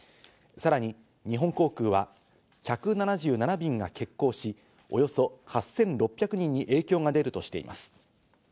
さらに日本航空は１７７便が欠航し、およそ８６００人に影響が出るとしています。